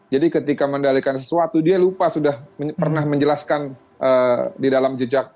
jadi ketika mendalikan sesuatu dia lupa sudah pernah menjelaskan di dalam jejak